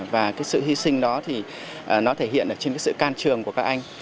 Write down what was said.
và cái sự hy sinh đó thì nó thể hiện trên cái sự can trường của các anh